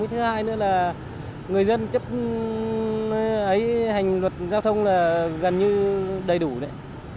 thứ hai nữa là người dân chấp hành luật giao thông là gần như đầy đủ đấy